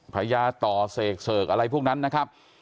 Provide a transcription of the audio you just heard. พระยาต่อเสกเฉิกอะไรพวกนั้นนะครับ